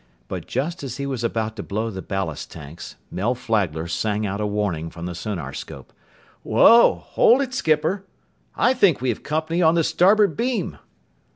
But just as he was about to blow the ballast tanks, Mel Flagler sang out a warning from the sonarscope. "Whoa! Hold it, skipper! I think we have company on the starboard beam!"